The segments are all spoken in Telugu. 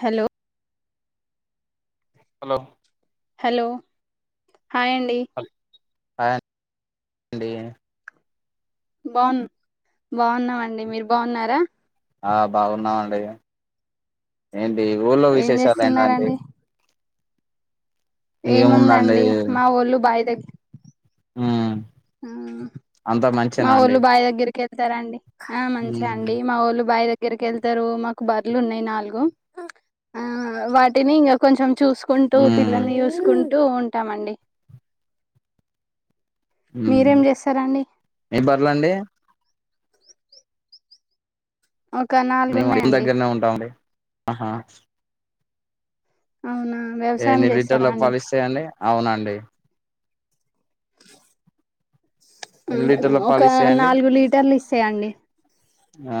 హలో! హలో! హలో, హాయ్ అండి. ఏందీ? బావున్ బావున్నామండి, మీర్ బావున్నారా? ఆ బావున్నామండి ఏంటి ఊర్లో ఏం విశేషాల్ ఏందండి. చేస్తున్నారండి ఏముందండి మా ఓళ్ళు బాయి దగ్ మ్ మ్ మా అండి వోళ్ళు బాయి దగ్గరికెళ్తరండి. ఆ మంచి ఉమ్ అండి మా వోళ్ళు బాయి దగ్ గ్గరికెళ్తరు మాకు బర్లున్నయ్ నాలుగు ఆ వాటిని ఇంగ కొంచం చూస్కుంటూ ఉమ్ పిల్లల్ని చూస్కుంటూ ఉంటామండి. మ్ మీరేం చేస్తారండి ఏం బర్లండీ? ఒక నాలుగు మేం [inaudible] ఉన్నాయండి దగ్గర్నే ఉంటామండి అహా అవునా వ్యవసాయం ఎన్ని చేస్తారా లీటర్ల అండి పాలిస్తయండి అవునండి. మ్ ఎన్ని హ్ లీటర్ల ఒక పాలిస్తాయండి నాలుగు లీటర్లిస్తయండి.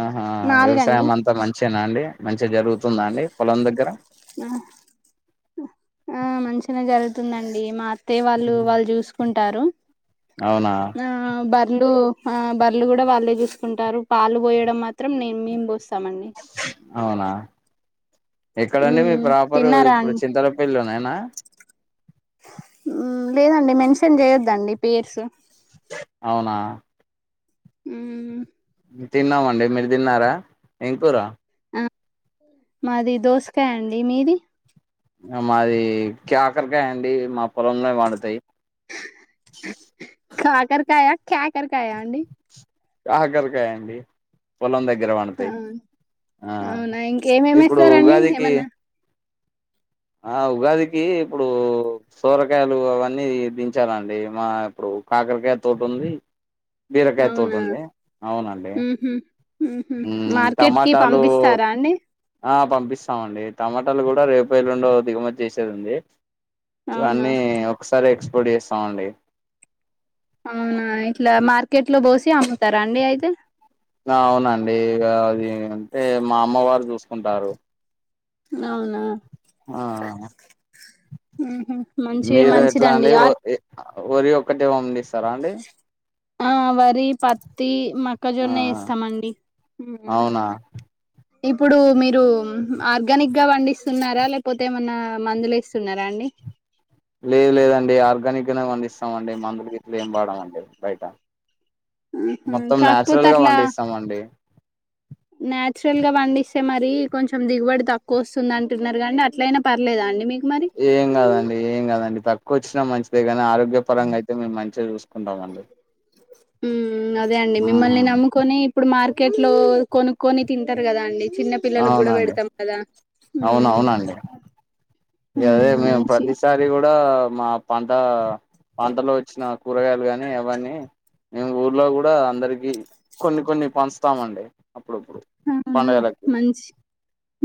ఆహా వ్యవసాయం అంతా మంచేనా అండి మం చిగ జరుగుతుందా అండి పొలం దగ్గర ఆ తుందండి. మా అ త్తయ్య వాళ్ళు వాళ్ జూస్కుంటారు. అవునా ఆ బర్లు ఆ బర్లు గుడా వాళ్ళే జూస్కుంటారు పాలు పోయడం మాత్రం నే మేం పోస్తామండి. అవునా ఎక్కడండి మీ మ్మ్ ప్రాపర్ తిన్నారా ఇప్పుడు అండి చింతలపెల్లిలోనెనా మ్ లేదండి మెన్షన్ జేయొద్దండి పేర్స్ అవునా మ్ మ్ తిన్నామండి మీర్ తిన్నారా ఏం కూర అ మాది దోస్కాయ్ అండి మీది? అ మాది క్యాకర్కాయ్ అండి మా పొలంలో పండుతయి. కాకర్ కాయా క్యాకర్కాయా అండి. కాకర్కాయండి పొలం దగ్ గ్గర ఆ వండుతయ్ ఆ అవునా ఇంకేమేమి ఇప్పుడు వేస్తారండి ఉగాదికి ఏమన్నా ఆ ఉగాదికి ఇప్పుడు సోరకాయలు అవన్నీ దించాలండి మా ఇప్పుడు కాకర్ కాయ తోటుంది. అవునా అవునండి మ్ హ్ మ్ హ్ ఉమ్ మార్కెట్కి టమాటాలు పంపిస్తారా అండి. ఆ పంపిస్తామండి టమాటాలు గుడా రేపో, ఎల్లుండో దిగుమతి చేసేదుంది. అవునా ఇవన్నీ ఒక్సారే ఎక్స్పోర్ట్ చేస్తమండి. అవునా ఇట్లా మార్కెట్లో బోసి అమ్ముతారా అండి అయితే ఆ అవునండి ఇగ అది అంటే మా అమ్మవారు చూస్కుంటారు. అవునా. ఆహ్. మ్ మీరు ఎట్లా అండి ఒ ఎ ఒరి ఒక్కటే పండిస్తారా అండి. ఆహ్ వరి పత్తి ఆ మొక్కజొన్న ఎస్తామండి. అవునా. ఇప్పుడు మీరు ఆర్గానిక్గా పండిస్తున్నారా లేకపోతే ఏమన్నా మందులు ఏస్తున్నారా అండి. లేదు లేదండి ఆర్గానిక్ గానే పండిస్తామండి మందులు గిట్ల ఏం వాడమండి బయట ఆహా మొత్తం కాకపోతే నాచురల్ గా అట్లా పండిస్తామండి. నాచురల్ గా పండిస్తే మరి కొంచెం దిగుబడి తక్కువ వస్తుంది అంటున్నారు కానీ అట్లయినా పర్లేదా అండి మీకు. మరి ఏం కాదండి ఏం కాదండి తక్కువ వచ్చినా మంచిదే కానీ ఆరోగ్యపరంగా అయితే మేము మంచిగా చూస్. చూసుకుంటామండి. ఉమ్ అదే అండి మిమ్మల్నే అవునండి నమ్ముకొని ఇప్పుడు మార్కెట్ లో కొనుక్కొని తింటారు కదా అండి. చిన్న పిల్లలకు అవును కూడా అవునండి పెడతాం కదా ఉమ్. అవునవునండి. ఉమ్ అదే మేము మంచి ప్రతిసారి కూడా. మా పంట పంటలో వచ్చిన కూరగాయలు గాని అవన్నీ. మేము ఊర్లో కూడా అందరికి కొన్ని కొన్ని పంచుతాము అండి. అవునా మంచి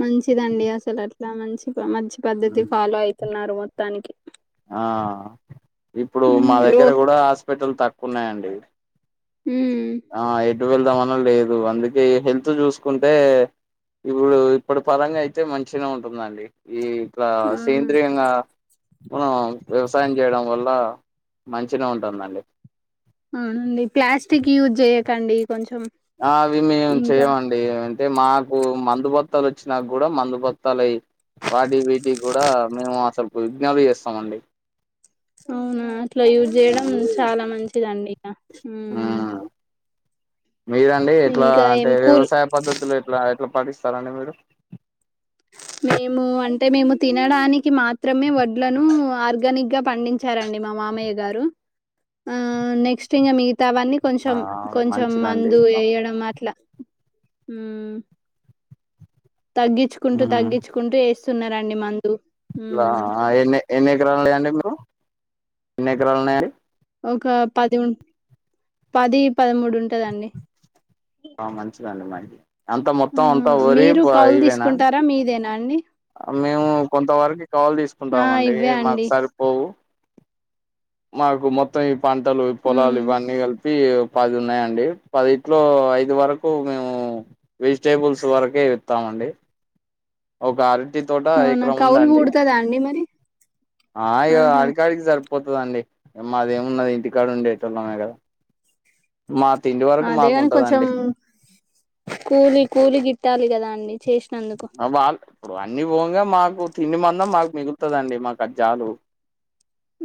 మంచిదండి అసలు అట్లా మంచి. గ మంచి పద్ధతి ఫాలో అయితున్నారు మొత్తానికి. ఆహ్ ఇప్పుడు ఉమ్ మా రో దగ్గర కూడా హాస్పిటల్ తక్కువ ఉన్నాయండి. ఉమ్ ఆహ్ ఎటు వెళ్దామన్నా లేదు అందుకే హెల్త్ చూసుకుంటే. ఇప్పుడు ఇప్పడు పరంగా అయితే మంచిగనే ఉంటుందండి. ఈ ఇట్లా అవును సేంద్రయంగా మనం వ్యవసాయం చేయడం వల్ల. మంచిగానే ఉంటుందండి. ఉమ్ ఈ ప్లాస్టిక్ యూజ్ చెయ్యకండి. అవి మేము చెయ్యమండి. అంటే మాకు మందుబొత్తాలు ఇచ్చినాక కూడా మందుబొత్తాలై. వాటికి వీటికి కూడా మేము అసలు ఇగ్నోర్ చేస్తామండి. అవునా అట్లా యూజ్ చేయడం చాలా మంచిదండి ఇక ఉమ్. మ్మ్ మీరండి ఎట్లా ఇంకా అంటే ఏం కూల్ వ్యవసాయ పద్ధతులు ఎట్లా ఎట్లా పాటిస్తారండి మీరు. మేము అంటే మేము తినడానికి మాత్రమే వడ్లను. ఆర్గానిక్గ పండించరండి మ మామయ్య గారు ఆహ్ నెక్స్ట్ ఇంకా మి. అవన్నీ ఆ కొంచెం కొంచెం మంచిదండి మందు వేయడం అట్లా ఉమ్. తగ్గించుకుంటూ తగ్గించుకుంటూ వేస్తున్నారండి మంద్. లా ఎన్ని ఎన్ని ఎకరాలున్నాయండి మీకు ఎన్ని ఎకరాలున్నాయండి. ఒక పది ఉన్ పది పదమూడు ఉంటదండి. ఆహ్ మంచిదండి మరి అంత ఆ మొత్తం అంతా వరి మీరు పోయి కౌలు ఇవేనా. తీసుకుంటారా మీదేనా అండి మేము కొంతవరకు కావుల్ ఆ తీసుకుంటామండి ఇవ్వే అండి మాకుసారి పోవు. మాకు మొత్తం ఈ పంటలు పొలాలు మ్మ్ ఇవన్నీ కలిపి. పి ఇగ పది ఉన్నాయండి. పదిట్లో ఐదు వరకు మేము వెజిటేబుల్స్ వరకే. ఎస్తామండి ఒక ఆరటి తోట అవునా ఎకరం కౌలు ఉందాండి. పూడుతుందా అండి మరి ఆహ్ ఇగ ఆహా ఆడికాడికి క సరిప్. పోతదండి మాదేమున్నది ఇంటికాడ ఉండేటోళమే కదా. మా తిండి వరకు మాకు అదేగాని కొంచెం ఉంటదండి కూలి కూలికి. పెట్టాలి కదా అన్నీ చేస్. ఆహ్ వాళ్ళు ఇప్పుడు అన్ని పోంగా మాకు తిండి మందం మాకు మిగుతదండి మాకు అది జాలు.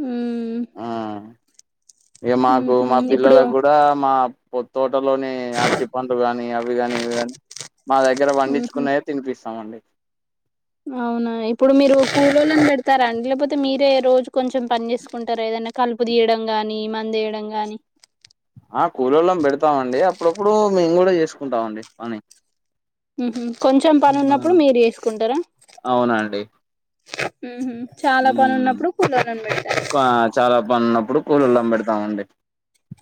మ్మ్ ఇక మాకు ఊహూ మా ఇప్పుడు పిల్లలక్ కూడా మా పొత్తు. టలోనే అరటి పండు కాని అవి గాని ఇవి కాని మా దగ్గర ఊహూ పండించుకున్నాయే తినిపిస్తామ అండి. అవునా ఇప్పుడు మీరు కులోళని పెడతారా అండి లేకపోతే మీరే రోజు కొంచెం పని చేసుకుంటారా ఏద. ఏన్నా కలుపు తీయడం కాని మందేయడం గాని. ఆహ్ కులోలాన్ పెడతామండి అప్పుడప్పుడు మేము కూడా చేసుకుంటాం అండి పని. ఉహ్ కొంచెం పని ఆ ఉన్నప్పుడు మీరు చేసుకుంటారా. ఊహూ చాలా ఊ పని ఉన్నప్పుడు కూలోళ్ళని పెడతారు క చాలా పన్ న్నప్పుడు కూలోలన్ బెడతావండి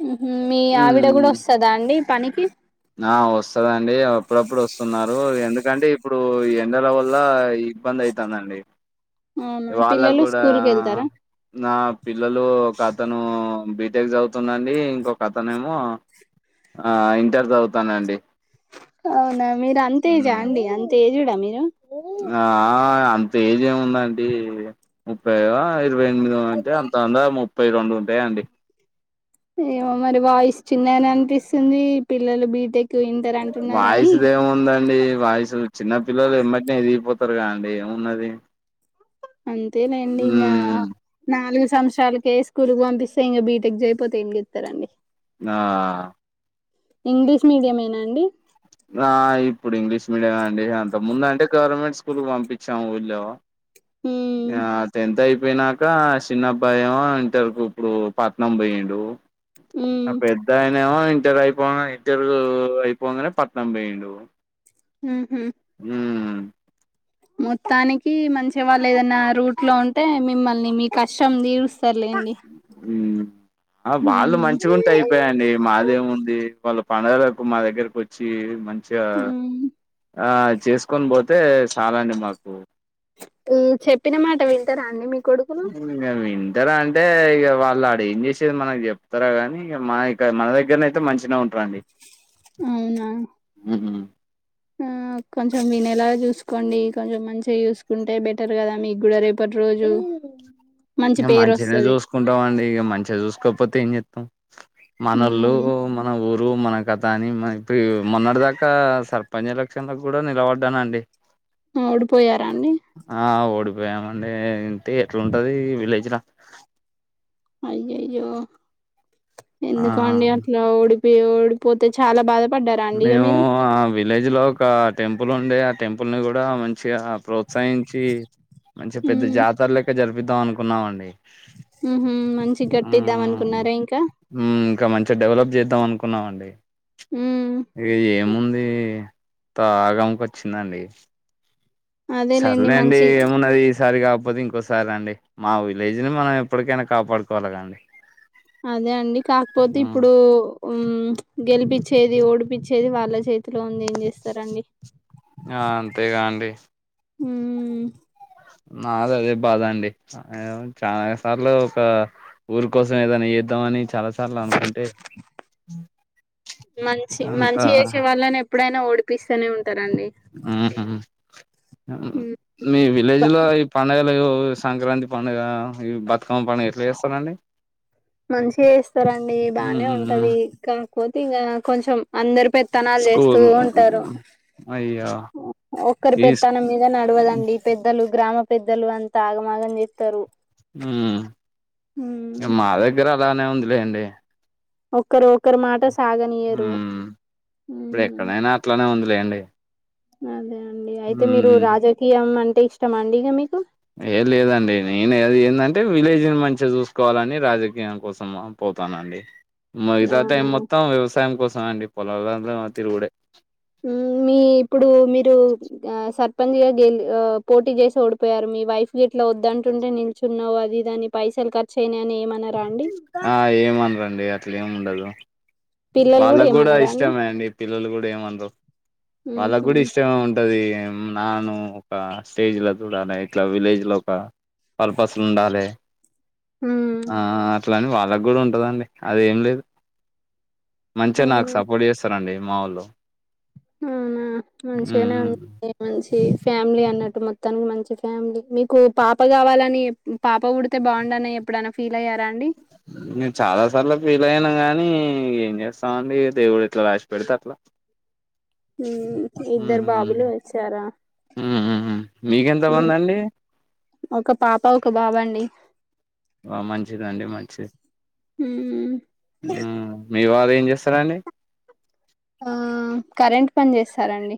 ఊహు మీ ఆవిడ గుడ ఒస్తదా అండి పనికి. ఆ ఒస్తదండి అప్పుడప్పుడు ఒస్తున్నారు ఎందుకంటే ఇప్పుడూ ఇ ఎండల వల్ల ఈ ఇబ్బంద్ ఐతాన్ దండి అవునా ఉగ పిల్లలు వాళ్ళగూడా స్కూల్ కి వెళ్తారా నా పిల్లలు ఒక అతనూ బీటెక్ సౌతుందండి ఇంకొక్ అతనేమో ఆ ఇంటర్ సౌతనండి ఔనా మీర్ అంతేజా అండి అంత్ ఏజుడా మీరు ఆ ఆ అంత ఏజ్ ఏముందండి ముప్పయో ఐద్ ఇరవై ఎన్మిదో అంటె అంత ఉండద్ ముప్పై రొండు ఉంటయండి ఏమో మరి వాయిస్ చిన్ననే అన్ పిస్ ఉంది పిల్లలు బీటెక్ ఇంటర్ వాయిస్ అంటున్నారని దేముందండి వయిసు చిన్న పిల్లల్ ఎమట్ నే ఎదిగిపోతర్ గా అండి ఏమున్నది అంతేలెండి ఇంగా ఉమ్ నాలుస్ తమ్ శాల్ కే స్కూల్ కు వంపిస్తే ఇంగ బీటెక్ జేయ్ పోతే ఏం జేత్తరండి నా ఆ ఇంగ్లీష్ మీడియమేనండి ఆ ఇప్పుడ్ ఇంగ్లీష్ మీడియమే అండి అంత ముందు అంటే గౌరమెంట్ స్కూలుక్ వంపిచ్చాము ఊళ్ళో మ్మ్ పెయ్ నాక షిన్నబ్బాయ్ ఏమో ఇంటర్ కు ఇప్పుడు పట్నం బోయిండు అ మ్మ్ పెద్దాయ్ నేమో ఇంటర్ అయ్ పొంగ ఇంటర్ వు అయ్ పొంగనే పట్నం బెయిండు ఉహు మొత్తానికి మంచిగ వాళ్ళ్ ఏదన్నా రూట్లో ఉంటే మిమ్మల్ని మీ కష్టం దీరుస్ ఊమ్ అ వాళ్ళు మ్మ్ మంచ్ గుంటే అపెయండి మాదేమ్ ఉంది వాళ్ళు పండుగలకు మా దగ్గరకు ఒచ్చీ మంచిగా మ్మ్ ఆ అజ్ చేస్ కోన్ బోతే సాలండి మాకు ఊమ్ చెప్పిన మాట వింటరా అండి మీ కొడుకులు ఉమ్ ఇంగ విన్ ఇద్దరా అంటే ఇగ వాళ్ళ్ అడ ఏం చేషేది మనక్ జెప్ తర గని ఇగ మాయ్ క మన దగ్గర్ నైతే మంచిగ్ నే ఉన్ ట్రండి అవునా ఉహ్ ఆ కొంచం వినేలాగా జుస్ కొండి కొంజమ్ మంచిగా యూసుకుంటే బెటర్ కదా మీగుడ రేపట్ రోజు ఉహ్ ఇగ మంచినే జుస్ కుంటవండి ఇగ మంచిగా జుస్ కోక్ పోతే ఏం జెత్తమ్ మనోళ్ళు మ్మ్ మన ఊర్ డు మన కథ అని మ ఇపియు మొన్నడ్ దాకా సర్ పంజ్ ఎలక్షన్లక్ గుడ నిలవడ్డనండి ఓడిపోయార్ ఆ ఓడిపోయావండి ఇన్ తే ఎట్లుంటది విలేజ్ ల అయ్యయ్యో చ్ ఆ ఎందుకొండి అట్ల ఓడి పియోడ్ ఓడుపోతె చాలా బాద మేము ఆ విలేజ్ లో ఒకా టెంపుల్ ఉండే ఆ టెంపుల్ ని కూడ మంజ్ చిగా ప్రోత్సాయించి మంచి పెద్ద ఉమ్ జాతర్ లెక్క జర్ పిద్దాం అనుకున్నావండి ఊమ్ మంచీగ్ గట్టిద్దాం అన్ కున్నార ఇంక జేద్దాం అనుకున్నావండి ఉమ్ ఇగ ఏముంది తాగంకొచ్చిందండి సర్ అదేలేండి లెండి మంచి ఏమున్నది ఈసారిగాప్ పోతె ఇంకోసారండి మా విలేజ్ ని మనం ఎప్పడ్ కైనా కాపాడుకోవాలాగాండి అదె అండి కాక్ పోత్ ఇప్పుడూ ఉమ్ గెలిపిచ్చేది ఓడిపిచ్చేది వాళ్ళ చేతిలో ఉంది ఏం చేస్తరండి ఆ అంతేగా అండి హ్మ్మ్ నాద్ అదె బాధా అండి చాల సార్లు ఒక ఊరు కోసం ఏదన్నా చేద్దామని చాలా సార్లు అన్ కుంటే మంచి మంచి చేసే వాళ్ళని ఎప్పుడైనా ఓడిపిస్తనే ఉన్ ఉహుమ్ ఉమ్ మీ విలేజ్ లా ఈ పండగ లేవో ఉ సంక్రాంతి పండగ ఈ బతుకమ్మ పండగ ఎట్లా చేస్తారండి మంచి ఎస్తారండి బానే ఉమ్ ఉంటది కాకపోతే ఇంకా కొంచెం అందరు పెత్తనాల్ చేస్తూ స్కూల్ ఉంటారు అయ్యో ఒక్కరి ఈ పెత్తనం మీద నడవదండి పెద్దలు గ్రామ పెద్దలు అంతా ఆగమాగం చేతరు మ్ మా దగ్గర అలానే ఉందిలేండి ఒకరు ఒకరు మాట సాగనీయరు ఉమ్ ఇప్పుడు ఎక్కడైనా అట్లానే ఉందిలేండి అదే అండి అయితే మీరు ఉమ్ రాజకీయం అంటే ఇష్టమా అంది ఇగ మీకు ఏ లేదండి నేన్ అది ఏందంటే విలేజ్ ని మంచిగా చూసుకోవాలని రాజకీయం కోసం పోతానండి మహితత ఎం అవునా మొత్తం వ్యవసాయం కోసం అండి పొలాల్ దాంట్లో ఏమ తిరుగుడే మ్ మీ ఇప్పుడు మీరు ఆ సర్పంచ్ గా గెలి పోటీ చేసి ఓడిపోయారు మీ వైఫ్ గి ఇట్లా వాడంటుంటే నిల్చున్నావు అది ఇది అని పైసల్ ఖర్చ్ అయినాయని ఏమన్నా ఆ ఏమనరండి అట్లా ఏం ఉండదు వాళ్ళకు కూడా ఇష్టమే అండి పిల్లలు కూడా ఏమాన్రు వాళ్ళకు ఉహు కూడా ఇష్టమే ఉంటది ఎం నాను ఒక స్టేజ్ లో తుడలా ఇట్లా విలేజ్ లో ఒక పాల్ పస్ ఉండాలే ఉమ్ ఆ అట్లని వాళ్ళకు కూడా ఉంటదండి అది ఏం లేదు మంచిగా నాకు అవునా సపోర్ట్ చేసారండి మా ఒళ్లు అవునా మంచిగానే ఉంది మంచి ఫ్యామిలీ అన్నట్టు మొత్తానికి మంచి ఫ్యామిలీ మీకు పాప కావాలని పాప పుడితే బాగుండని ఎప్పుడన ఫీల్ అయ్యారాండి నేను చాలా సార్ల ఫీల్ అయినా గానీ ఏం చేస్తాం అండి దేవుడు ఎట్లా రాసి పెడితే అట్లా హ్మ్ ఇద్దరు బాబులు వచ్చారా ఉ హ్మ్ మిక్ ఎంతమంది అండి ఒక్క పాప ఒక్క బాబ్ అండి ఆ మంచిదండి మంచిది మ్మ్. మ్ మీ వారు ఏం చేస్తారాండి ఆ కరెంట్ పని చేస్తారండి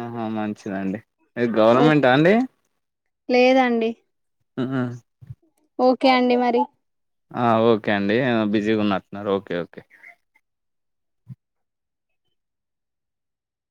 ఆహా మంచిదండి ఏది ఓ గవర్నమెంటా అండి లేదండి ఆహా ఓకే అండి మరి ఆ ఓకే అండి ఏమో బిజీగా ఉన్నాట్నరు ఓకే ఓకే